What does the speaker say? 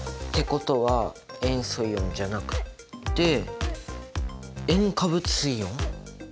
ことは「塩素イオン」じゃなくて「塩化物イオン」！